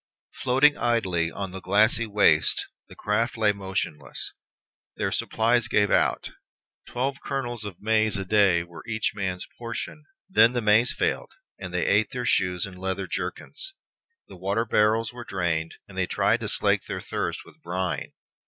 Floating idly on the glassy waste, the craft lay motionless. Their supplies gave out. Twelve kernels of maize a day were each man's portion; then the maize failed, and they ate their shoes and leather jerkins. The water barrels were drained, and they tried to slake their thirst with brine.